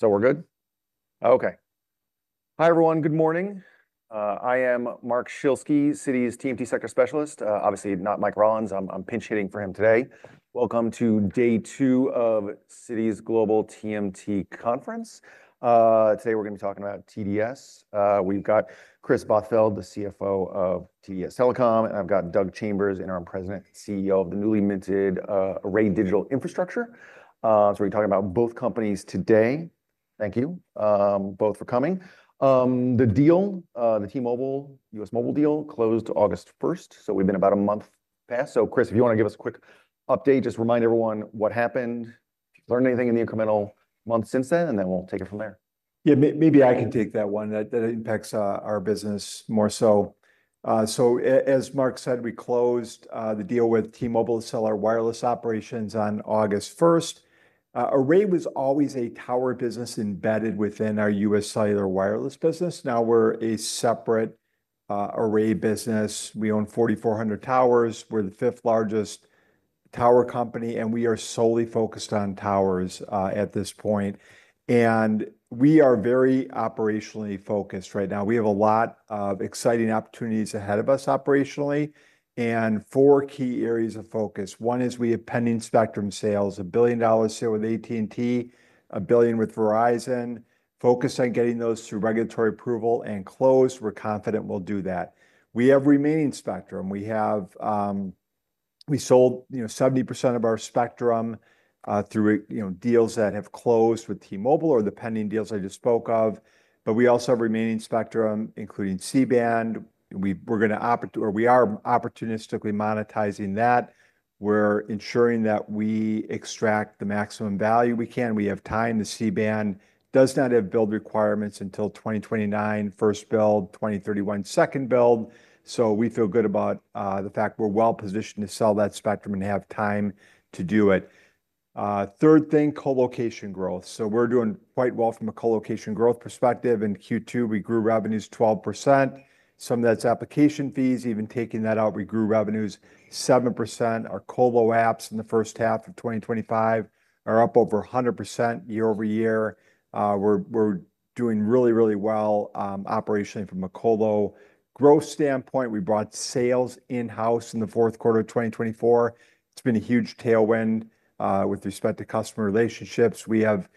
So we're good? Okay. Hi, everyone. Good morning. I am Mark Schielski, Citi's TMT sector specialist. Obviously, not Mike Rollins. I'm I'm pinch hitting for him today. Welcome to day two of Citi's global TMT conference. Today, we're gonna be talking about TDS. We've got Chris Botfeld, the CFO of TDS Telecom, and I've got Doug Chambers, interim president and CEO of the newly minted, Array Digital Infrastructure. So we're talking about both companies today. Thank you, both for coming. The deal, the T Mobile, US Mobile deal closed August 1, so we've been about a month past. So, Chris, if you wanna give us a quick update, just remind everyone what happened, learn anything in the incremental months since then, and then we'll take it from there. Yeah. May maybe I can take that one. That that impacts our business more so. So as Mark said, we closed, the deal with T Mobile to sell our wireless operations on August 1. Array was always a tower embedded within our US cellular wireless business. Now we're a separate Array business. We own 4,400 towers. We're the fifth largest tower company, and we are solely focused on towers at this point. And we are very operationally focused right now. We have a lot of exciting opportunities ahead of us operationally and four key areas of focus. One is we have pending spectrum sales, a billion dollars here with AT and T, a billion with Verizon, focused on getting those through regulatory approval and closed. We're confident we'll do that. We have remaining spectrum. We have we sold, you know, 70% of our spectrum through, you know, deals that have closed with T Mobile or the pending deals I just spoke of. But we also have remaining spectrum, including C band. We we're gonna opt or we are opportunistically monetizing that. We're ensuring that we extract the maximum value we can. We have time. The C band does not have build requirements until twenty twenty nine, first build, 2031, second build. So we feel good about, the fact we're well positioned to sell that spectrum and have time to do it. Third thing, colocation growth. So we're doing quite well from a colocation growth perspective. In q two, we grew revenues 12%. Some of that's application fees. Even taking that out, we grew revenues 7%. Our colo apps in the 2025 are up over a 100% year over year. We're we're doing really, really well, operationally from a colo. Growth standpoint, we brought sales in house in the 2024. It's been a huge tailwind, with respect to customer relationships. We have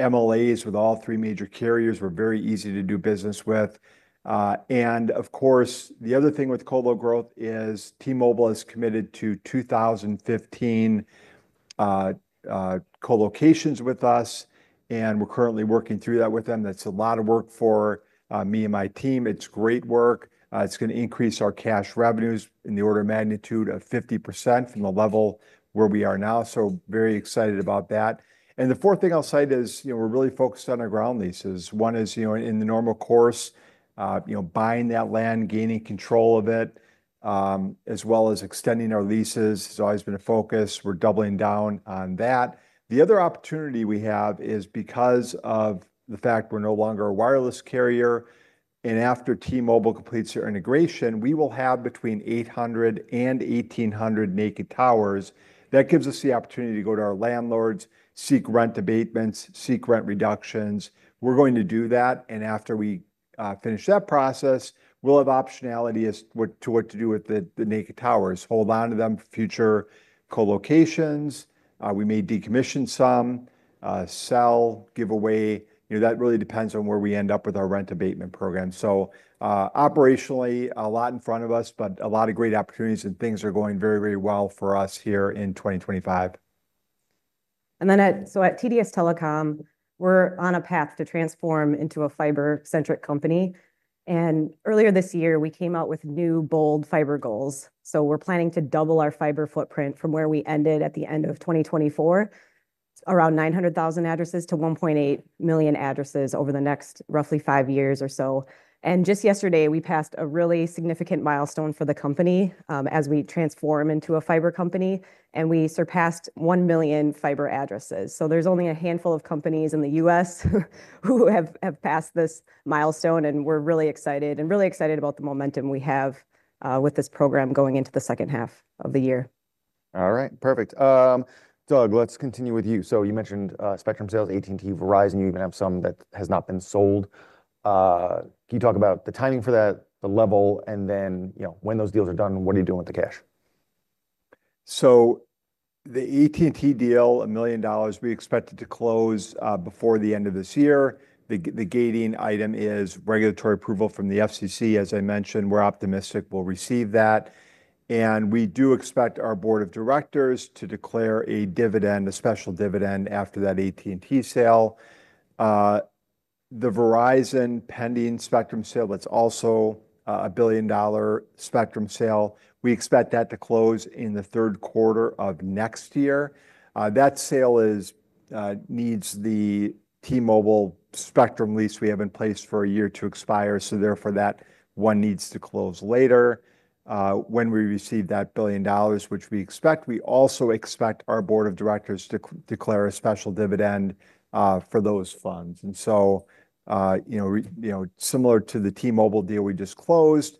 MLAs with all three major carriers. We're very easy to do business with. And, of course, the other thing with colo growth is T Mobile has committed to 2,015, colocations with us, and we're currently working through that with them. That's a lot of work for, me and my team. It's great work. It's gonna increase our cash revenues in the order of magnitude of 50% from the level where we are now. So very excited about that. And the fourth thing I'll cite is, you know, we're really focused on our ground leases. One is, you know, in the normal course, you know, buying that land, gaining control of it, as well as extending our leases. It's always been a focus. We're doubling down on that. The other opportunity we have is because of the fact we're no longer a wireless carrier. And after T Mobile completes their integration, we will have between eight hundred and eighteen hundred naked towers. That gives us the opportunity to go to our landlords, seek rent abatements, seek rent reductions. We're going to do that. And after we finish that process, we'll have optionality as what to what to do with the the naked towers. Hold on to them for future colocations. We may decommission some, sell, give away. That really depends on where we end up with our rent abatement program. So, operationally, a lot in front of us, but a lot of great opportunities, and things are going very, very well for us here in 2025. And then at so at TDS Telecom, we're on a path to transform into a fiber centric company. And earlier this year, we came out with new bold fiber goals. So we're planning to double our fiber footprint from where we ended at the 2024, around 900,000 addresses, to 1,800,000 addresses over the next roughly five years or so. And just yesterday, we passed a really significant milestone for the company, as we transform into a fiber company, and we surpassed 1,000,000 fiber addresses. So there's only a handful of companies in The U. S. Who have passed this milestone, and we're really excited and really excited about the momentum we have, with this program going into the second half of the year. All right. Perfect. Doug, let's continue with you. So you mentioned, spectrum sales, AT and T, Verizon, you even have some that has not been sold. Can you talk about the timing for that, the level? And then when those deals are done, what are you doing with the cash? So the AT and T deal, 1,000,000, we expect it to close, before the end of this year. The gating item is regulatory approval from the FCC. As I mentioned, we're optimistic we'll receive that. And we do expect our Board of Directors to declare a dividend, a special dividend after that AT and T sale. The Verizon pending spectrum sale, that's also a 1,000,000,000 spectrum sale. We expect that to close in the third quarter of next year. That sale is, needs the T Mobile spectrum lease we have in place for a year to expire. So therefore, that one needs to close later. When we receive that $1,000,000,000 which we expect, we also expect our Board of Directors to declare a special dividend, for those funds. And so similar to the T Mobile deal we disclosed,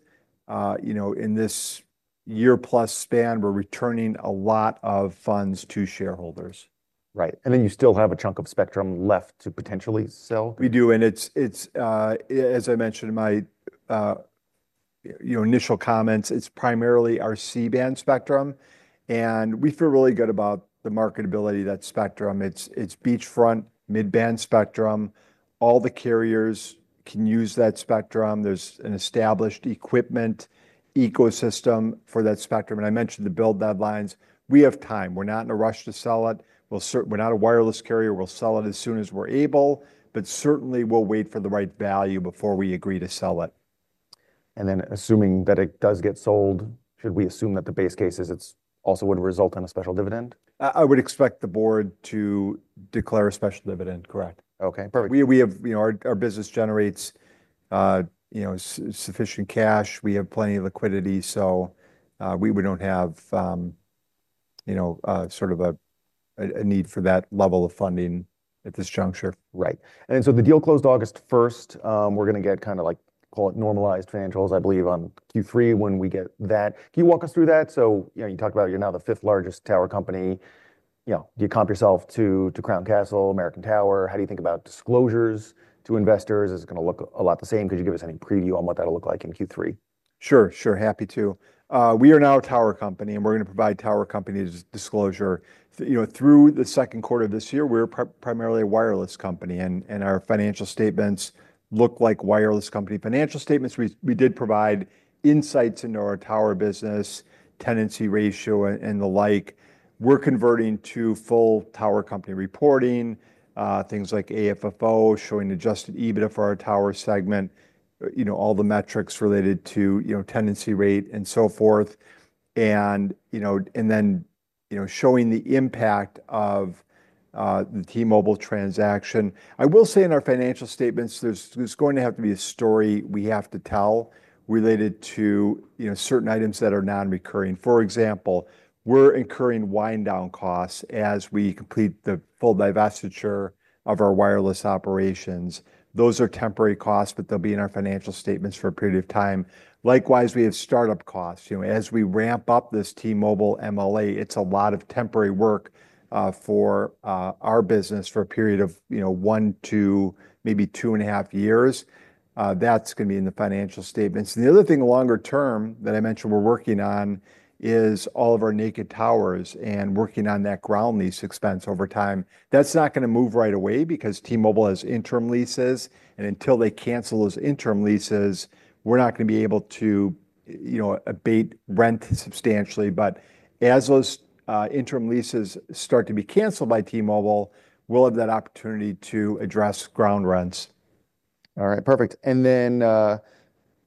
in this year plus span, we're returning a lot of funds to shareholders. Right. And then you still have a chunk of spectrum left to potentially sell? We do. And it's, as I mentioned in my initial comments, it's primarily our C band spectrum. And we feel really good about the marketability of that spectrum. It's it's beachfront mid band spectrum. All the carriers can use that spectrum. There's an established equipment ecosystem for that spectrum. And I mentioned the build deadlines. We have time. We're not in a rush to sell it. We're not a wireless carrier. We'll sell it as soon as we're able. But certainly, we'll wait for the right value before we agree to sell it. And then assuming that it does get sold, should we assume that the base case is it's also would result in a special dividend? I would expect the Board to declare a special dividend, correct. Okay, perfect. We have our business generates sufficient cash. We have plenty of liquidity, so we don't have sort of a need for that level of funding at this juncture. Right. And so the deal closed August 1. We're going to get kind of like, call it normalized financials, I believe, on Q3 when we get that. Can you walk us through that? So you talked about you're now the fifth largest tower company. Do you comp yourself to Crown Castle, American Tower? How do you think about disclosures to investors? Is it going to look a lot the same? Could you give us any preview on what that will look like in Q3? Sure, sure. Happy to. We are now a tower company, and we're going to provide tower companies disclosure. Through the second quarter of this year. We're primarily a wireless company, and our financial statements look like wireless company financial statements. We did provide insights into our tower business, tenancy ratio and the like. We're converting to full tower company reporting, things like AFFO, showing adjusted EBITDA for our tower segment, all the metrics related to tenancy rate and so forth. And you know, showing the impact of, the T Mobile transaction. I will say in our financial statements, there's there's going to have to be a story we have to tell related to, you know, certain items that are nonrecurring. For example, we're incurring wind down costs as we complete the full divestiture of our wireless operations. Those are temporary costs, but they'll be in our financial statements for a period of time. Likewise, we have start up costs. As we ramp up this T Mobile MLA, it's a lot of temporary work, for, our business for a period of one, two, maybe two and a half years. That's gonna be in the financial statements. And the other thing longer term that I mentioned we're working on is all of our naked towers and working on that ground lease expense over time. That's not gonna move right away because T Mobile has interim leases. And until they cancel those interim leases, we're not gonna be able to abate rent substantially. But as those interim leases start to be canceled by T Mobile, we'll have that opportunity to address ground rents. All right, perfect. And then can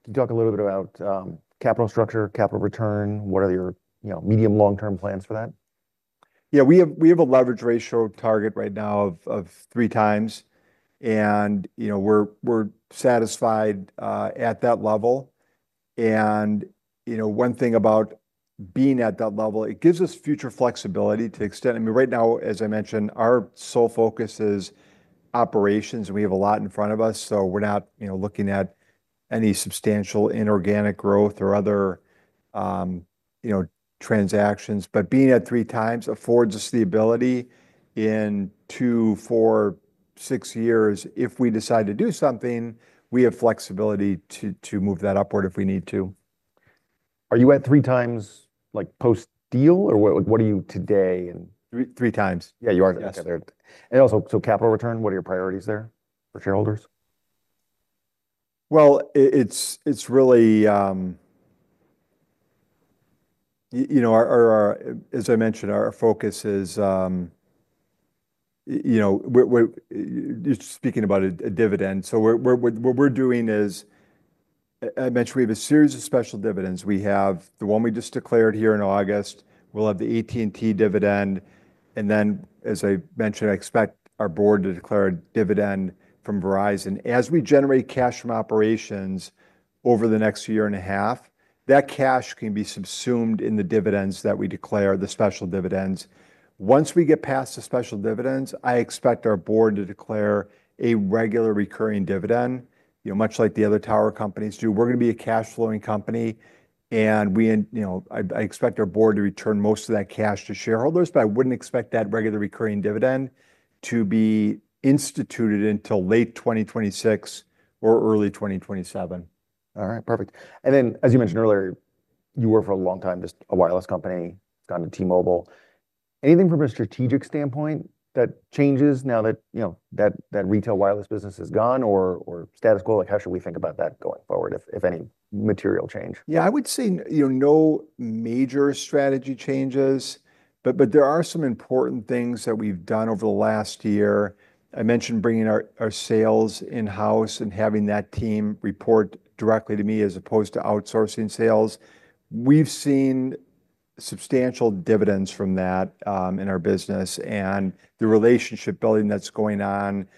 you talk a little bit about capital structure, capital return? What are your medium, long term plans for that? Yes. We have a leverage ratio target right now of 3x, and we're satisfied at that level. And one thing about being at that level, it gives us future flexibility to extend. Mean, right now, as I mentioned, our sole focus is operations. We have a lot in front of us, so we're not looking at any substantial inorganic growth or other transactions. But being at 3x affords us the ability in two, four, six years. If we decide to do something, we have flexibility to to move that upward if we need to. Are you at three times, like, post deal? Or what what are you today in Three three times. Yeah. You are. And also, so capital return, what are your priorities there for shareholders? Well, it's really, know, our, as I mentioned, our focus is, know, we're just speaking about a dividend. So what we're doing is, I mentioned we have a series of special dividends. We have the one we just declared here in August. We'll have the AT and T dividend. And then as I mentioned, I expect our Board to declare a dividend from Verizon. As we generate cash from operations over the next one years, point that cash can be subsumed in the dividends that we declare, the special dividends. Once we get past the special dividends, I expect our Board to declare a regular recurring dividend, much like the other tower companies do. We're going be a cash flowing company. And I expect our Board to return most of that cash to shareholders, but I wouldn't expect that regular recurring dividend to be instituted until late twenty twenty six or early twenty twenty seven. All right. Perfect. And then as you mentioned earlier, you were for a long time just a wireless company, gotten to T Mobile. Anything from a strategic standpoint that changes now that, you know, that that retail wireless business has gone or or status quo? Like, how should we think about that going forward, if if any material change? Yeah. I would say, you know, no major strategy changes, but there are some important things that we've done over the last year. I mentioned bringing our sales in house and having that team report directly to me as opposed to outsourcing sales. We've seen substantial dividends from that in our business and the relationship building that's going on.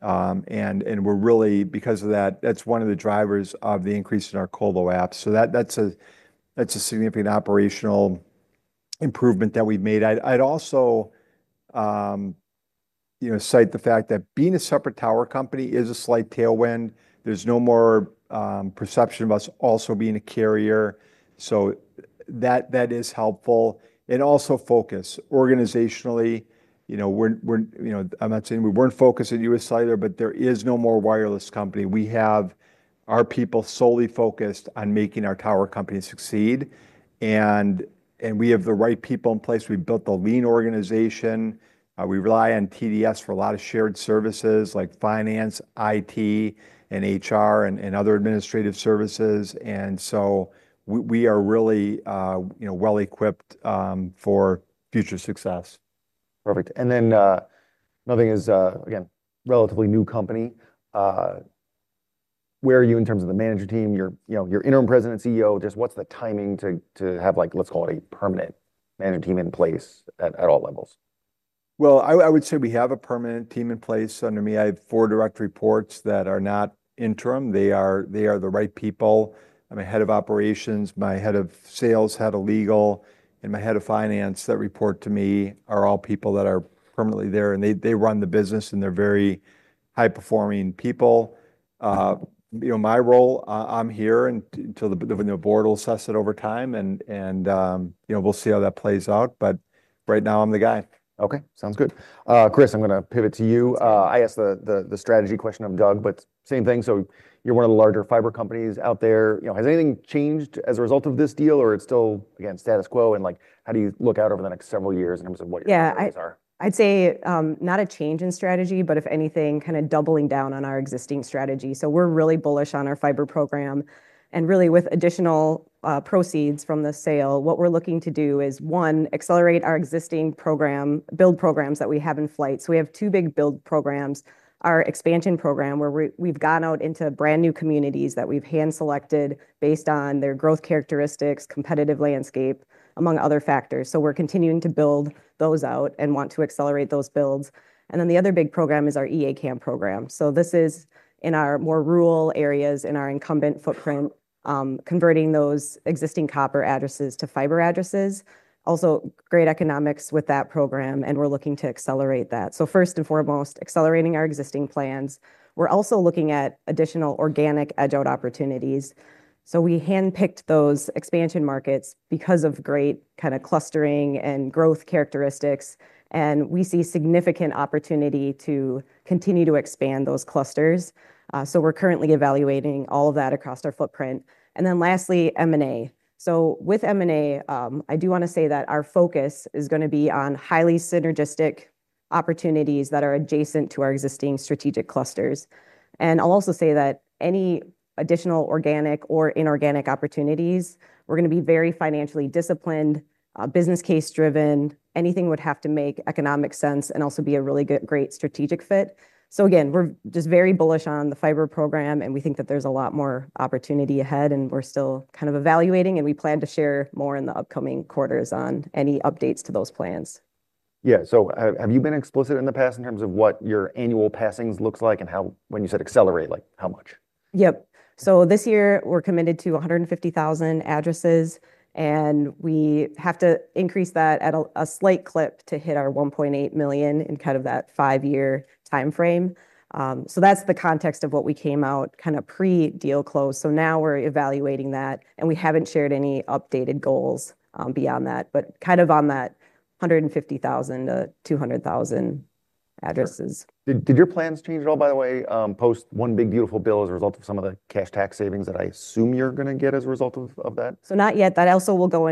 We're really because of that, that's one of the drivers of the increase in our colo app. So that's a significant operational improvement that we've made. I'd also, you know, cite the fact that being a separate tower company is a slight tailwind. There's no more, perception of us also being a carrier. So that is helpful. And also focus organizationally. I'm not saying we weren't focused in U. S. Cellular, but there is no more wireless company. We have our people solely focused on making our tower companies succeed. And we have the right people in place. We built a lean organization. We rely on TDS for a lot of shared services like finance, IT and HR and other administrative services. And so we are really, you know, well equipped, for future success. Perfect. And then, nothing is, again, relatively new company. Where are you in terms of the manager team, your interim president, CEO, just what's the timing to to have, like, let's call it a permanent manager team in place at at all levels? Well, I I would say we have a permanent team in place under me. I have four direct reports that are not interim. They are they are the right people. I'm a head of operations, my head of sales, head of legal, and my head of finance that report to me are all people that are permanently there. And they they run the business, they're very high performing people. You know, my role, I'm here until the the new board will assess it over time, and and, you know, we'll see how that plays out. But right now, I'm the guy. Okay. Sounds good. Chris, I'm gonna pivot to you. I asked the the the strategy question of Doug, So you're one of the larger fiber companies out there. Has anything changed as a result of this deal? Or it's still, again, status quo? And like how do you look out over the next several years in terms of what your priorities I'd say, not a change in strategy, but if anything, kind of doubling down on our existing strategy. So we're really bullish on our fiber program. And really with additional proceeds from the sale, what we're looking to do is, one, accelerate our existing program build programs that we have in flight. So we have two big build programs: our expansion program where we've gone out into brand new communities that we've hand selected based on their growth characteristics, competitive landscape, among other factors. So we're continuing to build those out and want to accelerate those builds. And then the other big program is our EA CAM program. So this is in our more rural areas in our incumbent footprint, converting those existing copper addresses to fiber addresses. Also great economics with that program, and we're looking to accelerate that. So first and accelerating our existing plans. We're also looking at additional organic edge out opportunities. So we handpicked those expansion markets because of great kind of clustering and growth characteristics, and we see significant opportunity to continue to expand those clusters. So we're currently evaluating all of that across our footprint. And then lastly, M and A. So with M and A, I do want to say that our focus is going to be on highly synergistic opportunities that are adjacent to our existing strategic clusters. And I'll also say that any additional organic or inorganic opportunities, we're going to be very financially disciplined, business case driven, anything would have to make economic sense and also be a really great strategic fit. So again, we're just very bullish on the fiber program, and we think that there's a lot more opportunity ahead, and we're still kind of evaluating, and we plan to share more in the upcoming quarters on any updates to those plans. Yeah. So have you been explicit in the past in terms of what your annual passings looks like? And how when you said accelerate, like, how much? Yep. So this year, we're committed to 150,000 addresses, and we have to increase that at a slight clip to hit our $1,800,000 in kind of that five year time frame. So that's the context of what we came out kind of pre deal close. So now we're evaluating that, and we haven't shared any updated goals beyond that, but kind of on that 150,000 to 200,000 addresses. Did your plans change at all, by the way, post one big beautiful bill as a result of some of the cash tax savings that I assume you're going to get as a result of that? So not yet. That also will go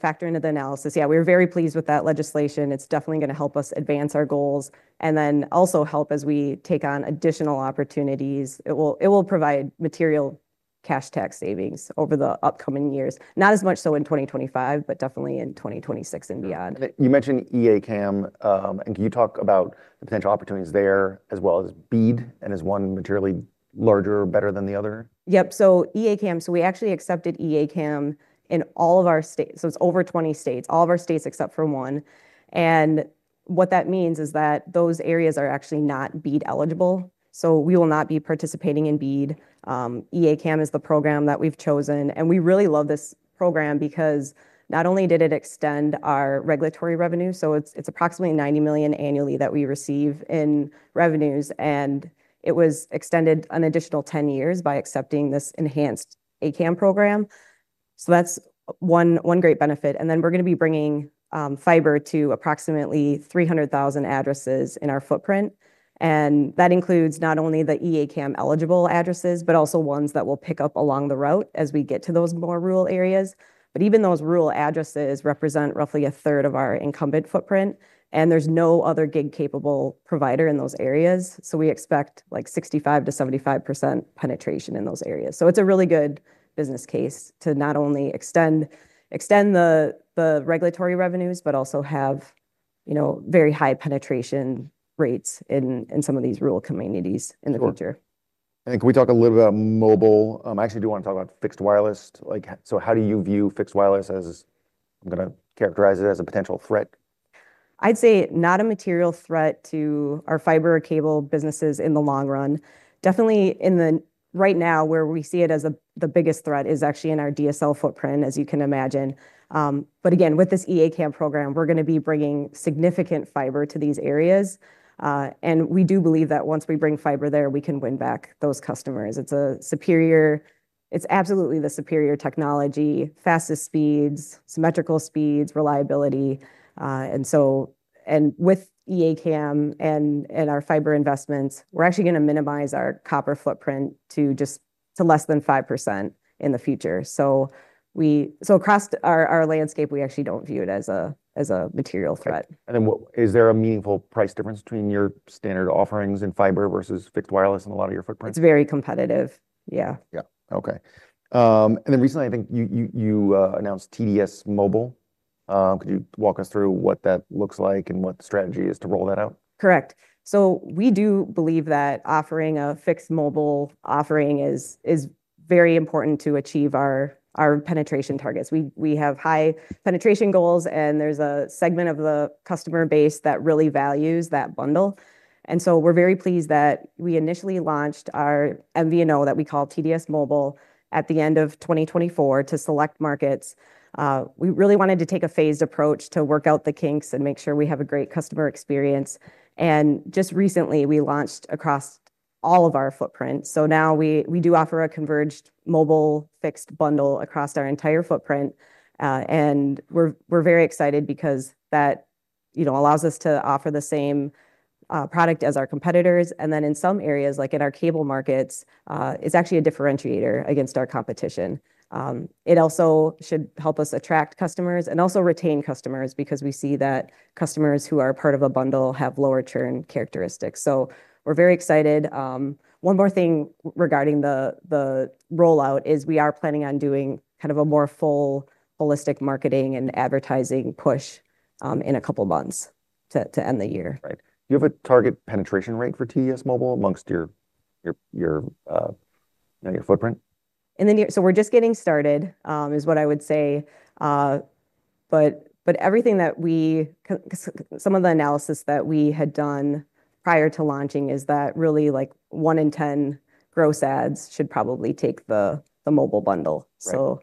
factor into the analysis. Yeah. We were very pleased with that legislation. It's definitely going to help us advance our goals and then also help as we take on additional opportunities. It will provide material cash tax savings over the upcoming years, not as much so in 2025, but definitely in 2026 and beyond. You mentioned EACAM. And can you talk about the potential opportunities there as well as Bead? And is one materially larger or better than the other? Yep. So EACAM, so we actually accepted EACAM in all of our states. So it's over 20 states, all of our states except for one. And what that means is that those areas are actually not Bead eligible, so we will not be participating in Bead. EACAM is the program that we've chosen. And we really love this program because not only did it extend our regulatory revenue, so it's approximately $90,000,000 annually that we receive in revenues, and it was extended an additional ten years by accepting this enhanced A CAM program. So that's one great benefit. And then we're going to be bringing fiber to approximately 300,000 addresses in our footprint. And that includes not only the E A CAM eligible addresses, but also ones that will pick up along the route as we get to those more rural areas. But even those rural addresses represent roughly onethree of our incumbent footprint, and there's no other gig capable provider in those areas. So we expect, like, 65% to 75% penetration in those areas. So it's a really good business case to not only extend the the regulatory revenues, but also have, you know, very high penetration rates in in some of these rural communities in the future. And can we talk a little bit about mobile? I actually do want to talk about fixed wireless. Like, so how do you view fixed wireless as I'm going to characterize it as a potential threat? I'd say not a material threat to our fiber or cable businesses in the long run. Definitely in the right now, where we see it as the biggest threat is actually in our DSL footprint, as you can imagine. But again, with this EACAM program, we're going to be bringing significant fiber to these areas. And we do believe that once we bring fiber there, we can win back those customers. It's a superior it's absolutely the superior technology, fastest speeds, symmetrical speeds, reliability. And so and with EACAM and and our fiber investments, we're actually gonna minimize our copper footprint to just to less than 5% in the future. So we so across our our landscape, we actually don't view it as a as a material threat. And then what is there a meaningful price difference between your standard offerings in fiber versus fixed wireless in a lot of your footprint? It's very competitive. Yeah. Yeah. Okay. And then recently, I think you announced TDS Mobile. Could you walk us through what that looks like and what the strategy is to roll that out? Correct. So we do believe that offering a fixed mobile offering is very important to achieve our penetration targets. We have high penetration goals, and there's a segment of the customer base that really values that bundle. And so we're very pleased that we initially launched our MVNO that we call TDS Mobile at the 2024 to select markets. We really wanted to take a phased approach to work out the kinks and make sure we have a great customer experience. And just recently, we launched across all of our footprint. So now we do offer a converged mobile fixed bundle across our entire footprint, and we're very excited because that allows us to offer the same product as our competitors. And then in some areas, like in our cable markets, is actually a differentiator against our competition. It also should help us attract customers and also retain customers because we see that customers who are part of a bundle have lower churn characteristics. So we're very excited. One more thing regarding the rollout is we are planning on doing kind of a more full holistic marketing and advertising push, in a couple of months to end the year. Right. You have a target penetration rate for TES Mobile amongst your your your, you know, your footprint? In the near so we're just getting started, is what I would say. But but everything that we some of the analysis that we had done prior to launching is that really, like, one in 10 gross ads should probably take the the mobile bundle. So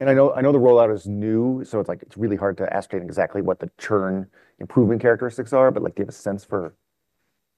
And I know I know the rollout is new, so it's, like, it's really hard to ascertain exactly what the churn improvement characteristics are, but, like, do have a sense for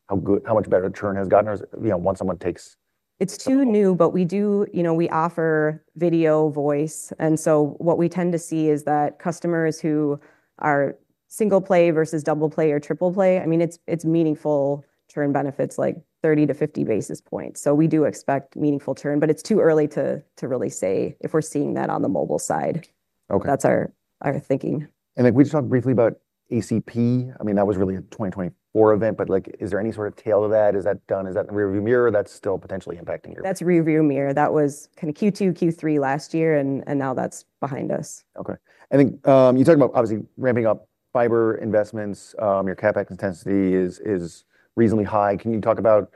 how good how much better churn has gotten us, you know, once someone takes It's too new, but we do you know, we offer video voice. And so what we tend to see is that customers who are single play versus double play or triple play, I mean, it's it's meaningful churn benefits, like, 30 to 50 basis points. So we do expect meaningful churn, but it's too early to to really say if we're seeing that on the mobile side. Okay. That's our our thinking. And, like, we just talked briefly about ACP. I mean, that was really a 2024 event, but, like, is there any sort of tail to that? Is that done? Is that in rearview mirror? That's still potentially impacting your That's rearview mirror. That was kind of q two, q three last year, and and now that's behind us. Okay. I think, you talked about, obviously, ramping up fiber investments. Your CapEx intensity is reasonably high. Can you talk about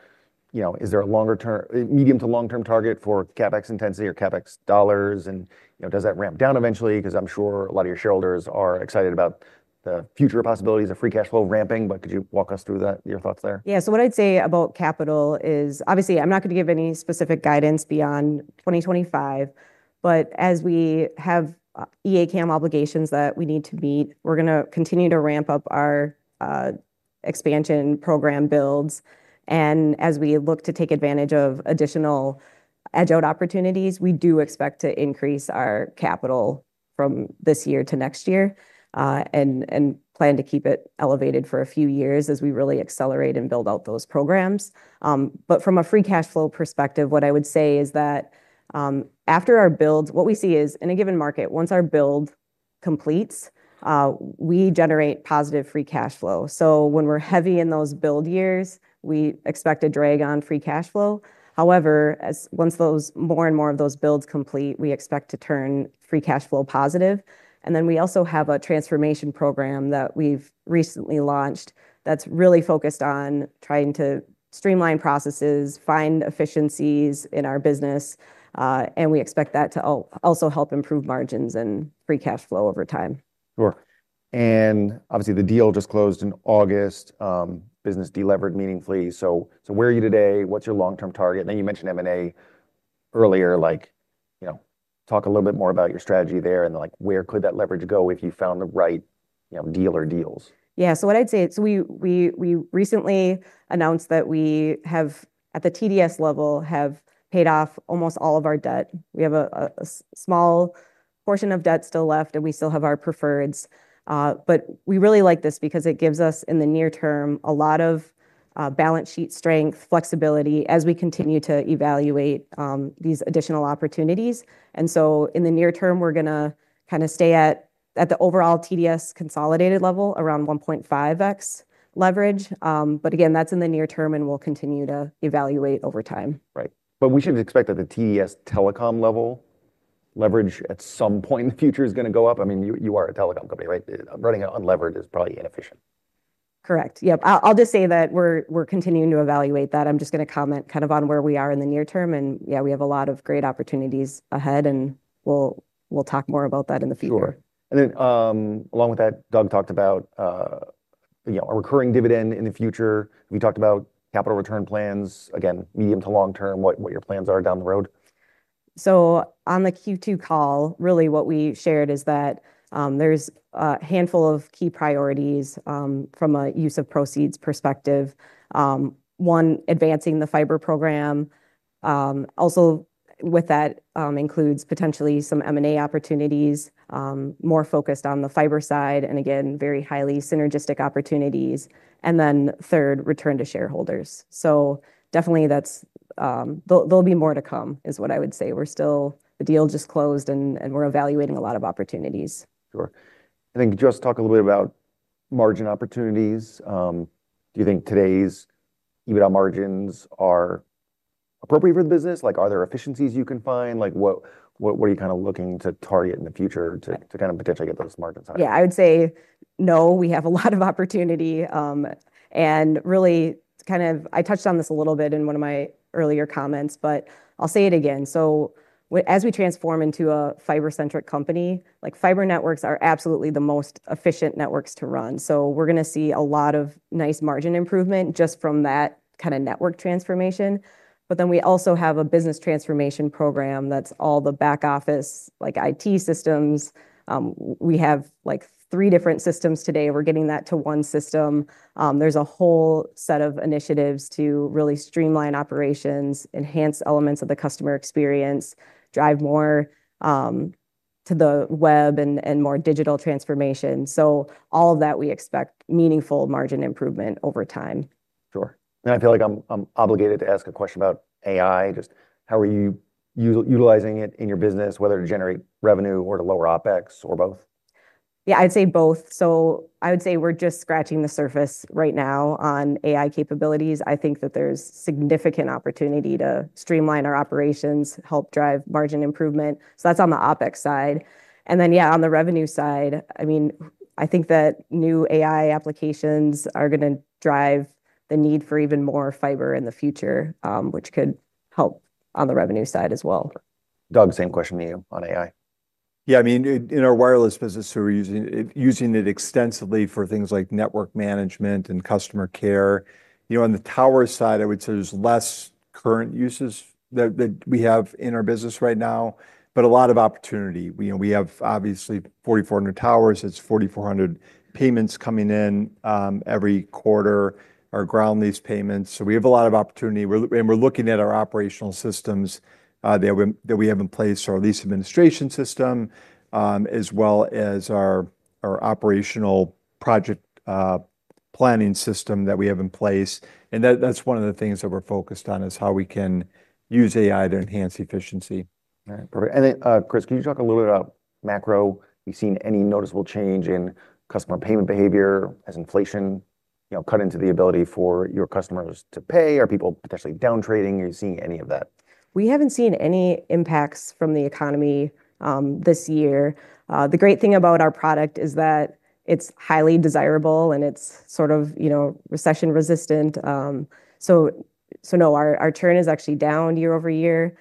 is there a longer term medium to long term target for CapEx intensity or CapEx dollars? And does that ramp down eventually? Because I'm sure a lot of your shareholders are excited about the future possibilities of free cash flow ramping, but could you walk us through that, your thoughts there? Yes. So what I'd say about capital is, obviously, I'm not going to give any specific guidance beyond 2025. But as we have EACAM obligations that we need to meet, we're going to continue to ramp up our expansion program builds. And as we look to take advantage of additional edge out opportunities, we do expect to increase our capital from this year to next year and plan to keep it elevated for a few years as we really accelerate and build out those programs. But from a free cash flow perspective, what I would say is that after our builds, what we see is in a given market, once our build completes, we generate positive free cash flow. So when we're heavy in those build years, we expect a drag on free cash flow. However, once those more and more of those builds complete, we expect to turn free cash flow positive. And then we also have a transformation program that we've recently launched that's really focused on trying to streamline processes, find efficiencies in our business, and we expect that to also help improve margins and free cash flow over time. Sure. And obviously, the deal just closed in August. Business delevered meaningfully. So where are you today? What's your long term target? And then you mentioned M and A earlier. Talk a little bit more about your strategy there and where could that leverage go if you found the right you know, dealer deals? Yeah. So what I'd say is we we we recently announced that we have, at the TDS level, have paid off almost all of our debt. We have a a small portion of debt still left, and we still have our preferreds. But we really like this because it gives us, in the near term, a lot of balance sheet strength, flexibility as we continue to evaluate these additional opportunities. And so in the near term, we're going to kind of stay at the overall TDS consolidated level, around 1.5x leverage. But again, that's in the near term, and we'll continue to evaluate over time. Right. But we should expect that the TDS telecom level leverage at some point in the future is going go up? I mean, you are a telecom company, right? Running it unleveraged is probably inefficient. Correct. Yep. I'll just say that we're continuing to evaluate that. I'm just going to comment kind of on where we are in the near term. And, yeah, we have a lot of great opportunities ahead, and we'll talk more about that in the future. Sure. Then, along with that, Doug talked about, you know, a recurring dividend in the future. We talked about capital return plans, again, medium to long term, what your plans are down the road. So on the Q2 call, really what we shared is that, there's a handful of key priorities, from a use of proceeds perspective. One, advancing the fiber program. Also with that includes potentially some M and A opportunities, more focused on the fiber side and again, very highly synergistic opportunities. And then third, return to shareholders. So definitely, that's there'll be more to come is what I would say. We're still the deal just closed, we're evaluating a lot of opportunities. Sure. I think just talk a little bit about margin opportunities. Do you think today's EBITDA margins are appropriate for the business? Like are there efficiencies you can find? Like what are you kind of looking to target in the future to kind of potentially get those margins out of Yes. I would say no. We have a lot of opportunity. And really, kind of I touched on this a little bit in one of my earlier comments, but I'll say it again. So as we transform into a fiber centric company, like fiber networks are absolutely the most efficient networks to run. So we're going to see a lot of nice margin improvement just from that kinda network transformation. But then we also have a business transformation program that's all the back office, like IT systems. We have, like, three different systems today. We're getting that to one system. There's a whole set of initiatives to really streamline operations, enhance elements of the customer experience, drive more to the web and and more digital transformation. So all of that, we expect meaningful margin improvement over time. Sure. And I feel like I'm obligated to ask a question about AI. Just how are you utilizing it in your business, whether to generate revenue or to lower OpEx or both? Yeah. I'd say both. So I would say we're just scratching the surface right now on AI capabilities. I think that there's significant opportunity to streamline our operations, help drive margin improvement. So that's on the OpEx side. And then, yeah, on the revenue side, I mean, I think that new AI applications are gonna drive the need for even more fiber in the future, which could help on the revenue side as well. Doug, same question to you on AI. Yeah. I mean, in our wireless business, we're using it extensively for things like network management and customer care. On the tower side, I would say there's less current uses that we have in our business right now, but a lot of opportunity. We have obviously 4,400 towers. It's 4,400 payments coming in, every quarter, our ground lease payments. So we have a lot of opportunity. We're and we're looking at our operational systems that we have in place, our lease administration system, as well as our operational project planning system that we have in place. And that's one of the things that we're focused on is how we can use AI to enhance efficiency. Alright. Perfect. And then, Chris, can you talk a little bit about macro? You've seen any noticeable change in customer payment behavior? Has inflation, you know, cut into the ability for your customers to pay? Are people potentially down trading? Are you seeing any of that? We haven't seen any impacts from the economy, this year. The great thing about our product is that it's highly desirable, and it's sort of, you know, recession resistant. So so no. Our our churn is actually down year over year.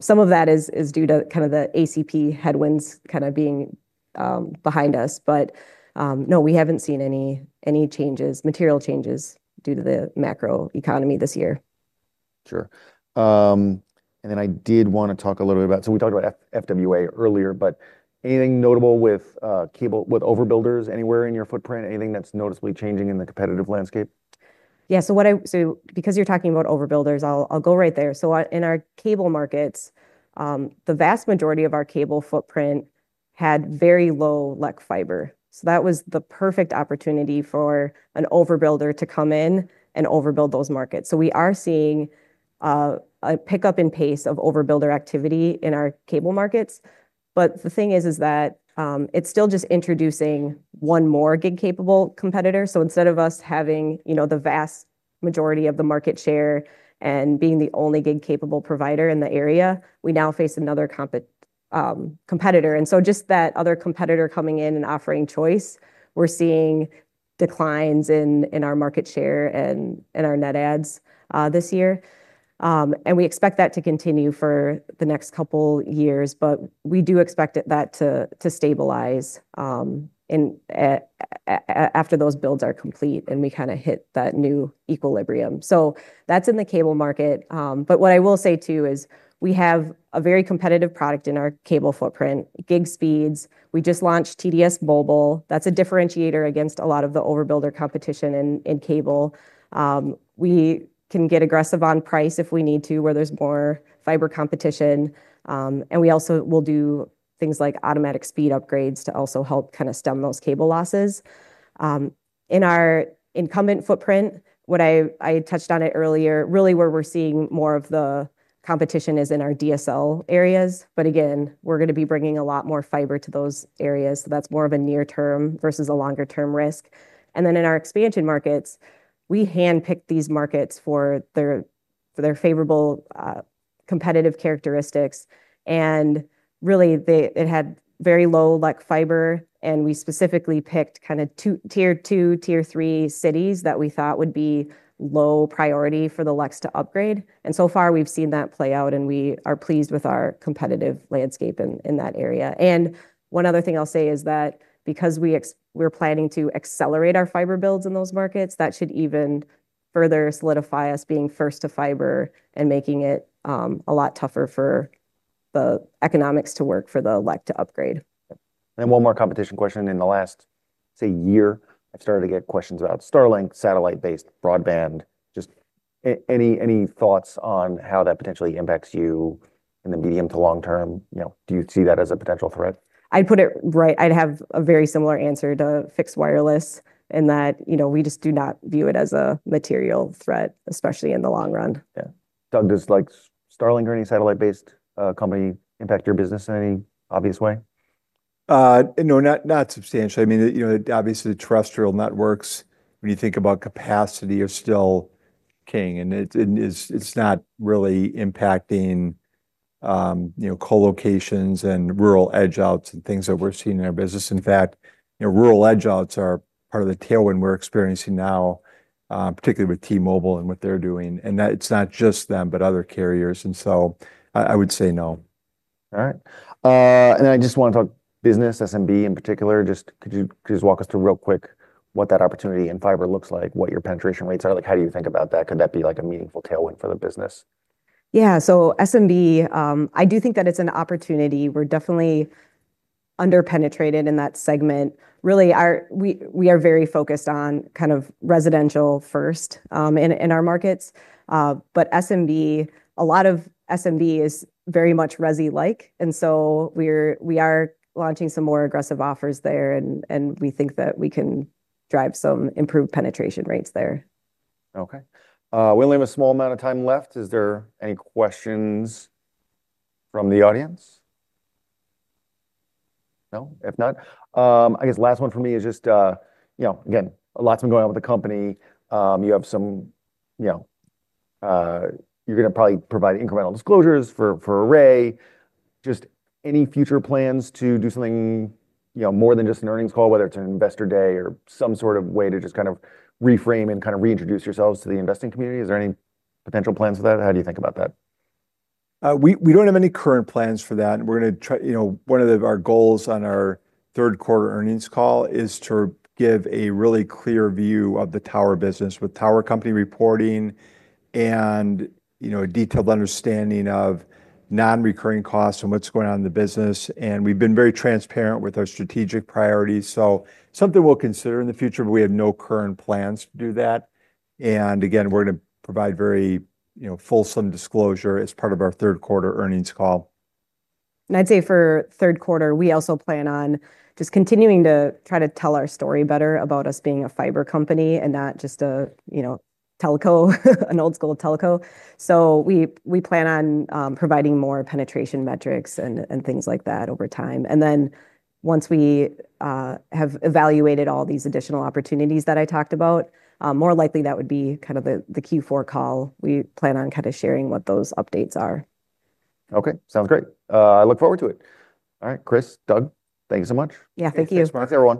Some of that is is due to kind of the ACP headwinds kind of being, behind us. But, no, we haven't seen any any changes, material changes due to the macro economy this year. Sure. And then I did want to talk a little bit about so we talked about FWA earlier, but anything notable with, cable with overbuilders anywhere in your footprint? Anything that's noticeably changing in the competitive landscape? Yeah. So what I so because you're talking about overbuilders, I'll I'll go right there. So in our cable markets, the vast majority of our cable footprint had very low LEC fiber. So that was the perfect opportunity for an overbuilder to come in and overbuild those markets. So we are seeing a a pickup in pace of overbuilder activity in our cable markets. But the thing is is that, it's still just introducing one more gig capable competitor. So instead of us having, you know, the vast majority of the market share and being the only gig capable provider in the area, we now face another competitor. And so just that other competitor coming in and offering choice, we're seeing declines in our market share and our net adds this year. And we expect that to continue for the next couple years, but we do expect that to stabilize in after those builds are complete and we kinda hit that new equilibrium. So that's in the cable market. But what I will say too is we have a very competitive product in our cable footprint, gig speeds. We just launched TDS Mobile. That's a differentiator against a lot of the overbuilder competition in cable. We can get aggressive on price if we need to where there's more fiber competition, and we also will do things like automatic speed upgrades to also help kind of stem those cable losses. In our incumbent footprint, what I touched on it earlier, really where we're seeing more of the competition is in our DSL areas. But again, we're going to be bringing a lot more fiber to those areas, so that's more of a near term versus a longer term risk. And then in our expansion markets, we handpicked these markets for favorable competitive characteristics. And really, they it had very low LUC fiber, and we specifically picked kinda two tier two, tier three cities that we thought would be low priority for the LUCs to upgrade. And so far, we've seen that play out, and we are pleased with our competitive landscape in that area. And one other thing I'll say is that because we're planning to accelerate our fiber builds in those markets, that should even further solidify us being first to fiber and making it, a lot tougher for the economics to work for the like to upgrade. And one more competition question. In the last, say, year, I've started to get questions about Starlink satellite based broadband. Just any any thoughts on how that potentially impacts you in the medium to long term? You know? Do you see that as a potential threat? I'd put it right. I'd have a very similar answer to fixed wireless in that, you know, we just do not view it as a material threat, especially in the long run. Yeah. Doug, does, like, Starling or any satellite based, company impact your business in any obvious way? No. Not not substantially. I mean, you know, obviously, the terrestrial networks, when you think about capacity, are still king. And it's not really impacting colocations and rural edge outs and things that we're seeing in our business. In fact, rural edge outs are part of the tailwind we're experiencing now, particularly with T Mobile and what they're doing. And that it's not just them, but other carriers. And so I would say no. All right. And then I just want to talk business, SMB in particular. Just could you just walk us through real quick what that opportunity in fiber looks like, what your penetration rates are? Like, how do you think about that? Could that be, like, a meaningful tailwind for the business? Yeah. So SMB, I do think that it's an opportunity. We're definitely underpenetrated in that segment. Really, our we we are very focused on kind of residential first, in in our markets. But SMB, a lot of SMB is very much resi like, and so we're we are launching some more aggressive offers there, and we think that we can drive some improved penetration rates there. Okay. We only have a small amount of time left. Is there any questions from the audience? No? If not, I guess last one for me is just, again, a lot's been going on with the company. You have some, you're going to probably provide incremental disclosures for Array. Just any future plans to do something more than just an earnings call, whether it's an Investor Day or some sort of way to just kind of reframe and kind of reintroduce yourselves to the investing community? Is there any potential plans for that? How do you think about that? We don't have any current plans for that. We're going to try one of our goals on our third quarter earnings call is to give a really clear view of the tower business with tower company reporting and a detailed understanding of nonrecurring costs and what's going on in the business. And we've been very transparent with our strategic priorities. So something we'll consider in the future, but we have no current plans to do that. And, again, we're gonna provide very, you know, fulsome disclosure as part of our third quarter earnings call. And I'd say for third quarter, we also plan on just continuing to try to tell our story better about us being a fiber company and not just a, you know, telco, an old school telco. So we we plan on, providing more penetration metrics and and things like that over time. And then once we, have evaluated all these additional opportunities that I talked about, More likely, that would be kind of the q four call. We plan on kind of sharing what those updates are. Okay. Sounds great. I look forward to it. Alright, Chris, Doug, thank you so much. Yeah. Thank you. Thanks, Marcia, everyone.